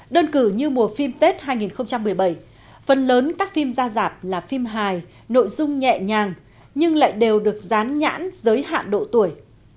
đơn cử như mùa phim tết hai nghìn một mươi bảy phần lớn các phim ra dạp là phim hài nội dung nhẹ nhàng nhưng lại đều được dán nhãn giới hạn độ tuổi